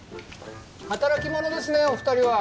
働き者ですねぇお二人は。